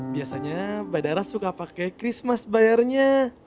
biasanya bandara suka pakai christmas bayarnya